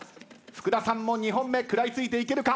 福田さんも２本目食らいついていけるか？